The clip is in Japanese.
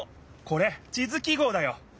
これ地図記号だよ。